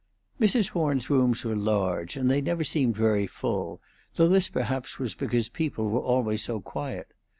Mrs. Horn's rooms were large, and they never seemed very full, though this perhaps was because people were always so quiet.